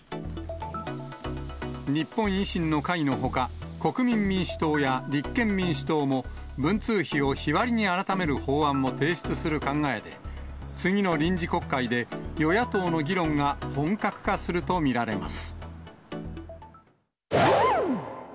日本維新の会のほか、国民民主党や立憲民主党も文通費を日割りに改める法案を提出する考えで、次の臨時国会で与野党の議論が本格化すると見られます。